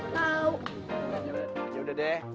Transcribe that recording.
dia mau marah kek